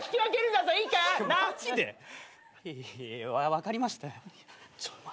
分かりましたよ。